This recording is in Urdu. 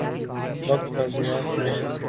وقت کا ضیاع ہوا۔